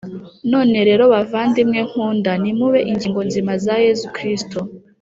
None rero bavandimwe nkunda nimube ingingo nzima za yezu kristu